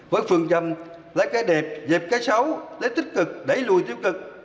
với phương trầm lấy cái đẹp dẹp cái xấu lấy tích cực đẩy lùi tiêu cực